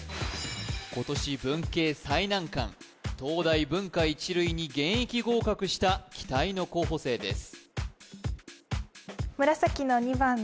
今年文系最難関東大文科一類に現役合格した期待の候補生です